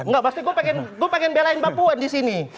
nggak maksudnya gue pengen gue pengen belain mbak puan di sini